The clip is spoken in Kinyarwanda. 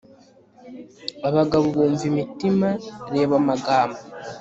abagabo bumva imitima, reba amagambo